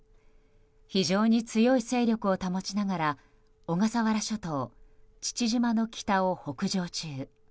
非常に強い勢力を保ちながら小笠原諸島、父島の北を北上中。